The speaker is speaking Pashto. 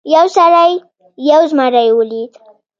یو سړي یو زمری ولید.